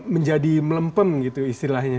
menjadi melempem gitu istilahnya